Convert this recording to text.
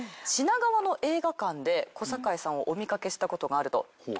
品川の映画館で小堺さんをお見掛けしたことがあると。